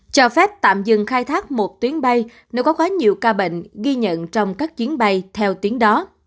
cho phép tạm dừng khai thác một tuyến bay nếu có quá nhiều ca bệnh ghi nhận trong các chuyến bay theo tuyến đó